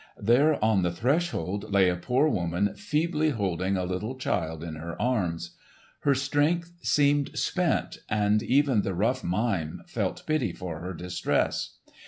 There on the threshold lay a poor woman feebly holding a little child in her arms. Her strength seemed spent, and even the rough Mime felt pity for her distress.